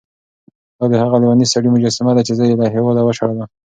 دا د هغه لېوني سړي مجسمه ده چې زه یې له هېواده وشړلم.